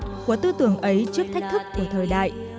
giúp đỡ của tư tưởng ấy trước thách thức của thời đại